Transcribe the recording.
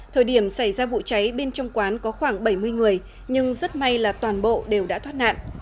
thời điểm xảy ra vụ cháy bên trong quán có khoảng bảy mươi người nhưng rất may là toàn bộ đều đã thoát nạn